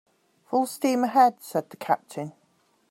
"Full steam ahead," said the captain.